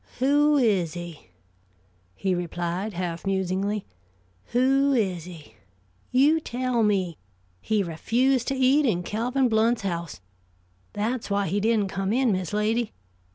"Who is he?" he replied, half musingly. "Who is he? You tell me. He refused to eat in Calvin Blount's house; that's why he didn't come in, Miss Lady.